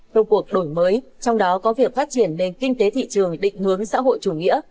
công cuộc đổi mới trong đó có việc phát triển nền kinh tế thị trường định hướng xã hội chủ nghĩa